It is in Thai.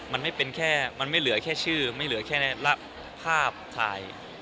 มันไม่เหลือแค่ชื่อไม่เหลือแค่ภาพถ่าย